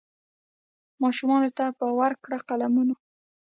ماشومانو ته به ورکړي قلمونه